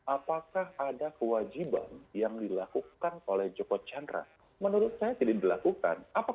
apakah ada kewajiban yang dilakukan oleh joko chandra menurut saya tidak dilakukan